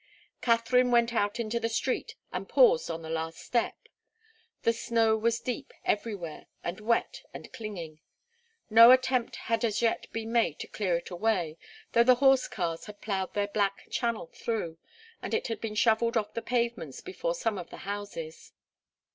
Katharine went out into the street and paused on the last step. The snow was deep everywhere, and wet and clinging. No attempt had as yet been made to clear it away, though the horse cars had ploughed their black channel through, and it had been shovelled off the pavements before some of the houses.